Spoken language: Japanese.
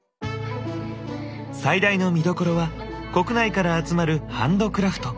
最大の見どころは国内から集まるハンドクラフト。